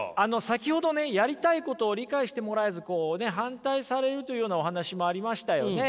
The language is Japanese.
先ほどやりたいことを理解してもらえず反対されるというようなお話もありましたよね。